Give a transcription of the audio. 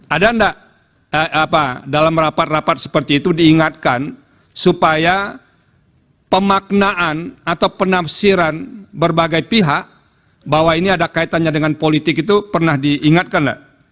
ada nggak dalam rapat rapat seperti itu diingatkan supaya pemaknaan atau penafsiran berbagai pihak bahwa ini ada kaitannya dengan politik itu pernah diingatkan nggak